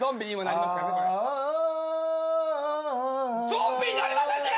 ゾンビになりませんね！